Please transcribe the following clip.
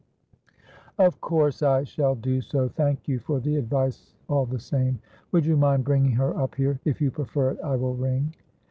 "Of course I shall do so; thank you for the advice, all the same. Would you mind bringing her up here? If you prefer it, I will ring."